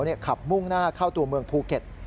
ขับถึงข้าวหมุ่งหน้าเข้าตัวเมืองภูเก็ท